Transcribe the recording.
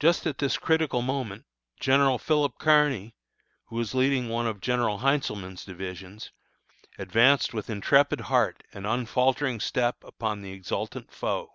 Just at this critical moment, General Philip Kearny, who was leading one of General Heintzelman's divisions, advanced with intrepid heart and unfaltering step upon the exultant foe.